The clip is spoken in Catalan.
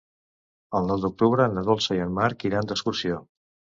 El nou d'octubre na Dolça i en Marc iran d'excursió.